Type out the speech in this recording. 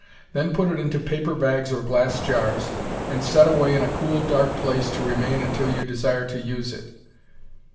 Then put it into paper bags or glass jars, and set away in a cool, dark place to remain until you desire to use it.